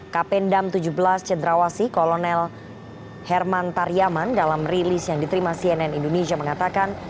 kapendam tujuh belas cedrawasi kolonel herman taryaman dalam rilis yang diterima cnn indonesia mengatakan